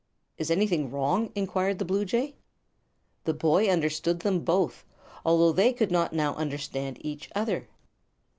"Is anything wrong?" enquired the bluejay. The boy understood them both, although they could not now understand each other.